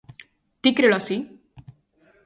Ti crelo así?